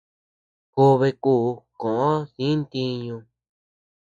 Jobe ku koʼo di ntiñu.